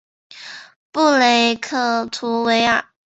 布雷克图维尔。